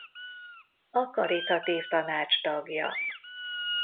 A Karitatív Tanács tagja.